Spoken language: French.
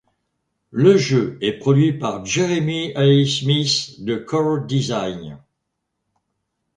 Le jeu est produit par Jeremy Heath Smith de Core Design.